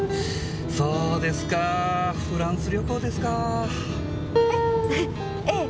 そうですかフランス旅行ですか。え！？えぇ。